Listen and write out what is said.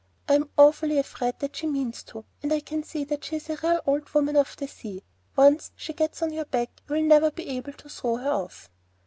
I'm awfully afraid that she means to, and I can see that she is a real old woman of the sea. Once she gets on your back you will never be able to throw her off."